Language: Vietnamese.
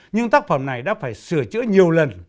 nhưng tác phẩm này đã phải sửa chữa nhiều lần